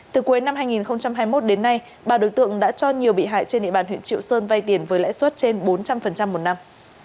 từ cuối năm hai nghìn hai mươi một đến nay bà đối tượng đã cho nhiều bị hại trên địa bàn huyện triệu sơn vay tiền với lãi suất trên bốn trăm linh một năm